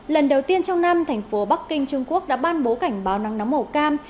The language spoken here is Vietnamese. lần đầu tiên trong năm thành phố bắc kinh trung quốc đã ban bố cảnh báo nắng nóng màu cam